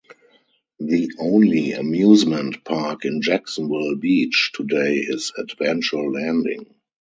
The only amusement park in Jacksonville Beach today is Adventure Landing.